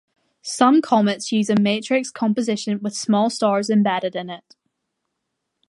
Some comets use a matrix composition with small stars embedded in it.